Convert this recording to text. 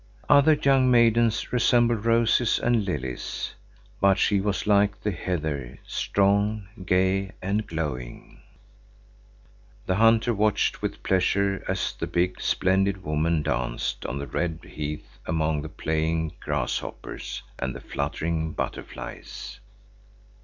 Other young maidens resemble roses and lilies, but she was like the heather, strong, gay and glowing. The hunter watched with pleasure as the big, splendid woman danced on the red heath among the playing grasshoppers and the fluttering butterflies.